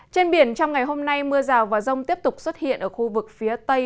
trên biển trong ngày hôm nay mưa rào và rông tiếp tục xuất hiện ở khu vực phía tây